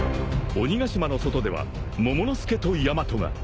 ［鬼ヶ島の外ではモモの助とヤマトが］